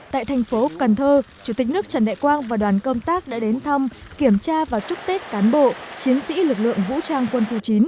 tại thành phố cần thơ chủ tịch nước trần đại quang và đoàn công tác đã đến thăm kiểm tra và chúc tết cán bộ chiến sĩ lực lượng vũ trang quân khu chín